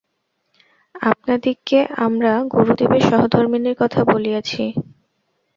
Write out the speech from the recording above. আপনাদিগকে আমার গুরুদেবের সহধর্মিণীর কথা বলিয়াছি।